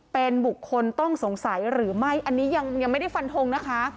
เป็นบุคคลต้องสงสัยหรือไม่อันนี้ยังไม่ได้ฟันทงนะคะ